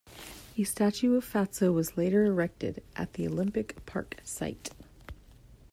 A statue of Fatso was later erected at the Olympic Park site.